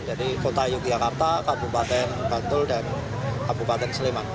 jadi kota yogyakarta kabupaten bantul dan kabupaten sleman